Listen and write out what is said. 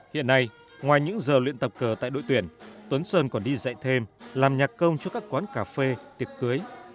hiện nay ngoài những giờ luyện tập cờ tại đội tuyển tuấn sơn còn đi dạy thêm làm nhạc công cho các quán cà phê tiệc cưới